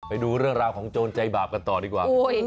ไปดูเรื่องราวของโจรใจบาปกันต่อดีกว่า